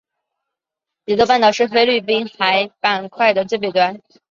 伊豆半岛是菲律宾海板块的最北端。